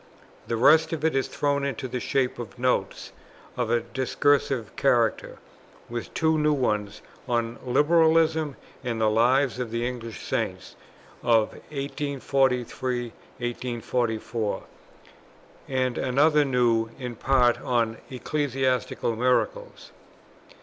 The rest of it is thrown into the shape of Notes of a discursive character, with two new ones on Liberalism and the Lives of the English Saints of 1843 4, and another, new in part, on Ecclesiastical Miracles.